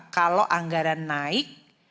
kalau anggaran naik